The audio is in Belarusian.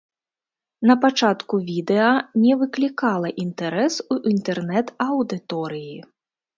Напачатку відэа не выклікала інтарэс у інтэрнэт-аўдыторыі.